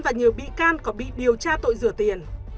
và nhiều bị can có bị điều tra tội rửa tiền